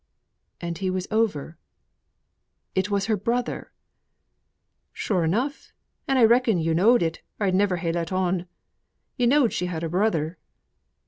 "And he was over. It was her brother." "Sure enough, and I reckoned yo' knowed it, or I'd never ha' let on. Yo' knowed she had a brother?"